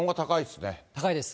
高いです。